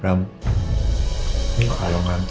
dapatkanlah hati hamba ya allah